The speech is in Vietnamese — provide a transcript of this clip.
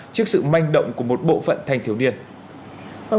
trước sự manh động của một bộ phận thanh thiếu niên